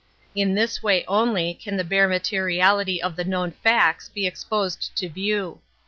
In this way only can the bare ma teriality of the known facts be exposed to view.